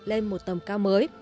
lên một tầm cao mới